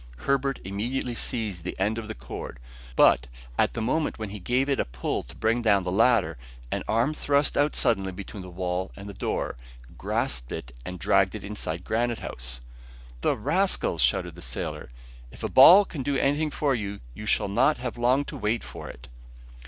Herbert immediately seized the end of the cord, but, at that moment when he gave it a pull to bring down the ladder, an arm, thrust suddenly out between the wall and the door, grasped it and dragged it inside Granite House. "The rascals!" shouted the sailor. "If a ball can do anything for you, you shall not have long to wait for it."